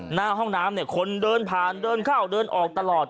หน้าห้องน้ำเนี่ยคนเดินผ่านเดินเข้าเดินออกตลอด